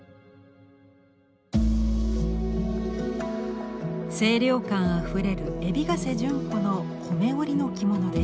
清涼感あふれる海老ヶ瀬順子の織の着物です。